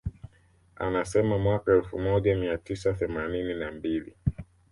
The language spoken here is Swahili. Anasema mwaka elfu moja mia tisa themanini na mbili